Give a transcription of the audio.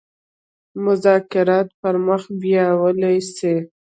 مذاکرات پر مخ بېولای سي.